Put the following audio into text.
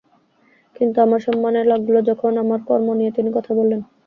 কিন্তু আমার সম্মানে লাগল যখন আমার কর্ম নিয়ে তিনি কথা বললেন।